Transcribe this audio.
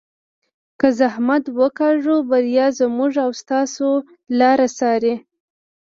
که زحمت وکاږو بریا زموږ او ستاسو لار څاري.